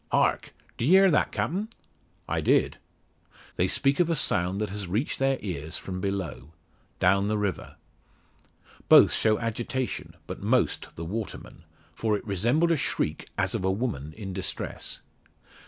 Hark! Did ye hear that, Captain?" "I did." They speak of a sound that has reached their ears from below down the river. Both show agitation, but most the waterman; for it resembled a shriek, as of a woman in distress.